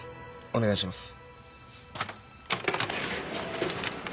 お願いします。